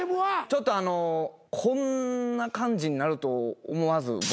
ちょっとあのこんな感じになると思わず僕も。